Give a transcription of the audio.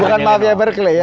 bukan mafia berkeley ya